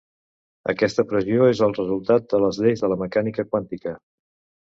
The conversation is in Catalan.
Aquesta pressió és el resultat de les lleis de la mecànica quàntica.